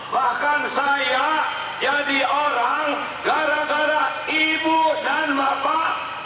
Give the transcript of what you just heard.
bahkan saya jadi orang gara gara ibu dan bapak